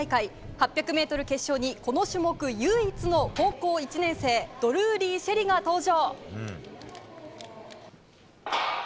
８００メートル決勝にこの種目唯一の高校１年生、ドルーリー朱瑛里が登場。